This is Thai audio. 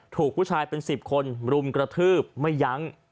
ถูกผู้ชายเป็น๑๐คนรุมกระทืบไม่ยั้ง